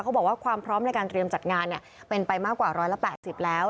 บอกว่าความพร้อมในการเตรียมจัดงานเป็นไปมากกว่า๑๘๐แล้ว